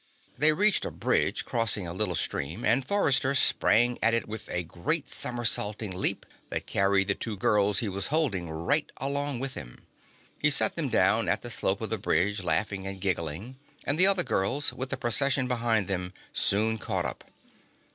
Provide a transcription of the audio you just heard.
They reached a bridge crossing a little stream and Forrester sprang at it with a great somersaulting leap that carried the two girls he was holding right along with him. He set them down at the slope of the bridge, laughing and giggling and the other girls, with the Procession behind them, soon caught up.